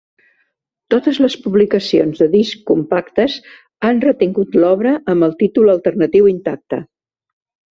Totes les publicacions de discs compactes han retingut l'obra amb el títol alternatiu intacte.